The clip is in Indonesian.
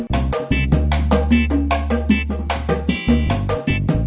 sampai jumpa di video selanjutnya